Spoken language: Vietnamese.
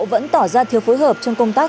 vẫn tỏ ra thiếu phối hợp trong công tác